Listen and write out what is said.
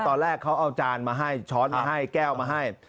ตอนแรกเขาเอาจานมาให้ช้อนมาให้แก้วมาให้